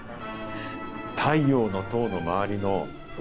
太陽の塔の周りの。